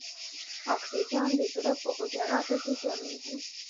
اکسیجن د زړه په حجراتو کې کمیږي.